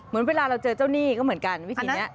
เหมือนเวลาเราเจอเจ้าหนี้ก็เหมือนกันวิธีนี้